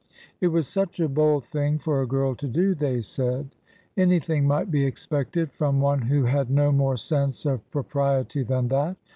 It was such a bold thing for a girl to do, they said ! Anything might be expected from one who had no more sense of propriety than that